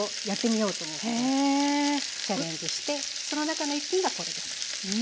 チャレンジしてその中の一品がこれです。